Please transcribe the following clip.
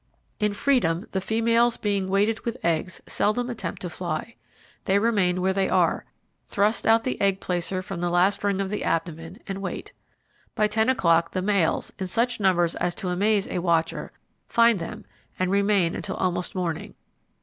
In freedom, the females being weighted with eggs seldom attempt to fly. They remain where they are, thrust out the egg placer from the last ring of the abdomen and wait. By ten o'clock the males, in such numbers as to amaze a watcher, find them and remain until almost morning.